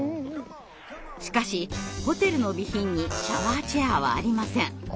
しかしホテルの備品にシャワーチェアはありません。